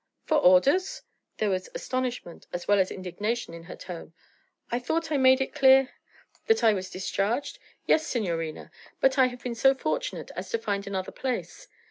'For orders!' There was astonishment as well as indignation in her tone. 'I thought I made it clear ' 'That I was discharged? Yes, signorina. But I have been so fortunate as to find another place.